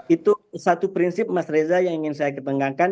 itu satu prinsip mas reza yang ingin saya ketenggangkan